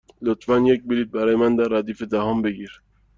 لطفا یک بلیط برای من در ردیف دهم بگیر.